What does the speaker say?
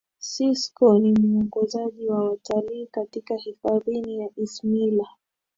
sisco ni muongozaji wa watalii katika hifadhini ya isimila